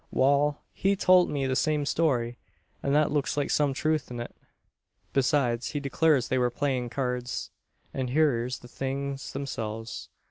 "Wal; he tolt me the same story, and that looks like some truth in't. Besides, he declurs they wur playin' curds, an hyur's the things themselves.